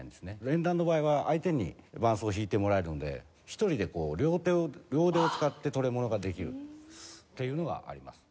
連弾の場合は相手に伴奏を弾いてもらえるので１人で両手を両腕を使ってトレモロができるというのがあります。